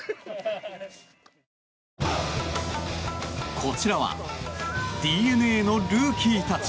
こちらはＤｅＮＡのルーキーたち。